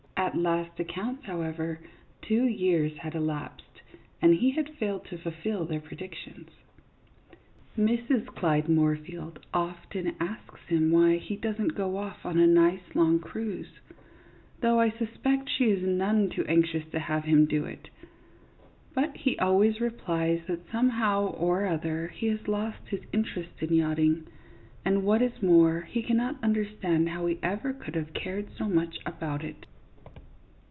At last accounts, however, two years had elapsed, and he had failed to fulfil their predictions. Mrs. Clyde Moorfield often asks him why he does n't go off on a nice long cruise, though I sus pect she is none too anxious to have him do it ; but he always replies that somehow or other he has lost his interest in yachting, and, what is more, he cannot understand how he ever could have cared so much about it.